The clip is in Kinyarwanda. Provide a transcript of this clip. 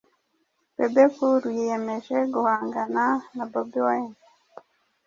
Bebe Cool yiyemeje guhangana na Bobi Wine